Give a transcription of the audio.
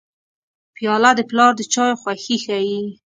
پیاله د پلار د چایو خوښي ښيي.